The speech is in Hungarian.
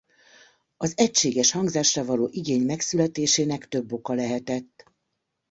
Az egységes hangzásra való igény megszületésének több oka lehetett.